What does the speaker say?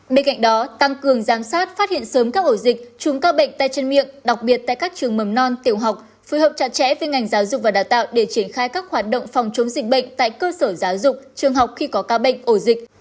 bên cạnh đó tăng cường giám sát phát hiện sớm các ổ dịch chùm các bệnh tay chân miệng đặc biệt tại các trường mầm non tiểu học phối hợp chặt chẽ với ngành giáo dục và đào tạo để triển khai các hoạt động phòng chống dịch bệnh tại cơ sở giáo dục trường học khi có ca bệnh ổ dịch